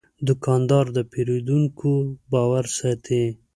دوکاندار د پیرودونکو باور ساتي.